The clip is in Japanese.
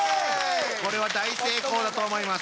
これは大成功だと思います。